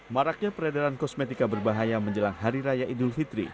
maraknya peredaran kosmetika berbahaya menjelang hari raya idul fitri